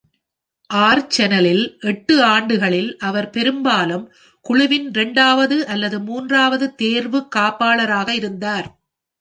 அர்செனலில் எட்டு ஆண்டுகளில் அவர் பெரும்பாலும் குழுவின் இரண்டாவது அல்லது மூன்றாவது தேர்வுக் காப்பாளராக இருந்தார்.